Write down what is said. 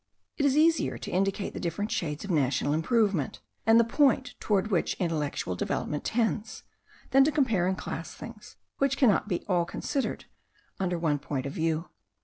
It is easier to indicate the different shades of national improvement, and the point towards which intellectual development tends, than to compare and class things which cannot all be considered under one point of view.